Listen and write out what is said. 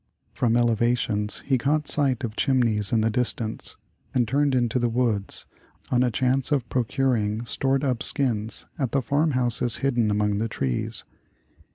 Prom elevations he caught sight of chimneys in the distance, and turned into the w^oods, on a chancrt of procuring stored up skins at the farm houses bidder, among the trees.